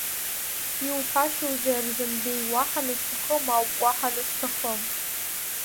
Иуҳәашьоузеи Арзанбеи, уаҳа назҭахым ауп, уаҳа назҭахым…